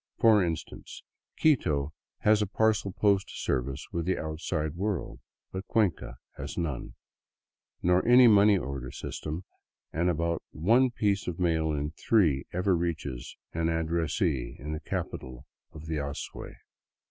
For instance, Quito has a parcel post service with the outside world, but Cuenca has none, nor any money order system, and about one piece of mail in three ever reaches an addressee in the capital of the Azuay.